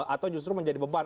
atau justru menjadi beban